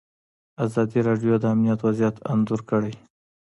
ازادي راډیو د امنیت وضعیت انځور کړی.